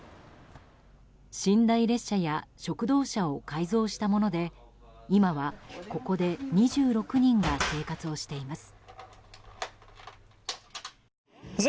寝台列車や食堂車を改造したもので今は、ここで２６人が生活をしています。